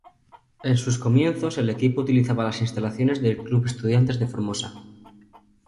En sus comienzos, el equipo utilizaba las instalaciones del Club Estudiantes de Formosa.